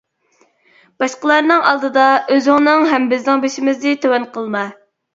باشقىلارنىڭ ئالدىدا ئۆزۈڭنىڭ ھەم بىزنىڭ بېشىمىزنى تۆۋەن قىلما.